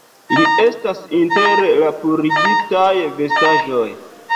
Li estas inter la purigitaj vestaĵoj